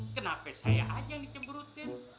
kenapa saya aja yang dikebutin